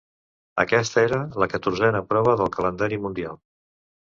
Aquesta era la catorzena prova del Calendari mundial.